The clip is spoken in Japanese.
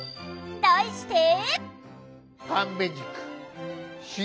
題して。